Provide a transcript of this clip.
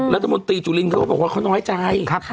รัฐมนตรีจุลินเขาก็บอกว่าเขาน้อยใจ